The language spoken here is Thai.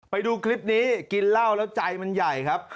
ไปดูคลิปนี้กินเหล้าแล้วใจมันใหญ่ครับ